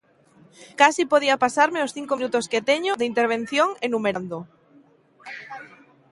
Case podía pasarme os cinco minutos que teño de intervención enumerando.